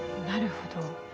なるほど。